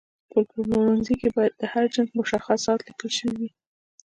په پلورنځي کې باید د هر جنس مشخصات لیکل شوي وي.